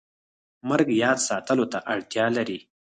مرګ یاد ساتلو ته اړتیا لري